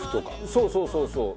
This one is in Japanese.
そうそうそうそう。